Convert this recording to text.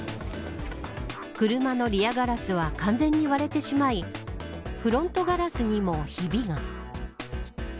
車のリアガラスは完全に割れてしまいフロントガラスにも、ひびが。